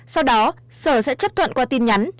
sau đó sở sẽ chấp thuận qua tin nhắn